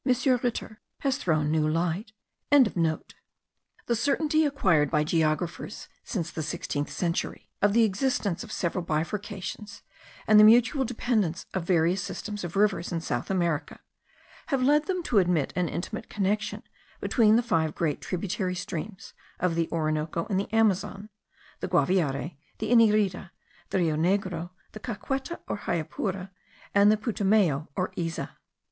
Ritter, has thrown new light.) The certainty acquired by geographers since the sixteenth century, of the existence of several bifurcations, and the mutual dependence of various systems of rivers in South America, have led them to admit an intimate connection between the five great tributary streams of the Orinoco and the Amazon; the Guaviare, the Inirida, the Rio Negro, the Caqueta or Hyapura, and the Putumayo or Iza.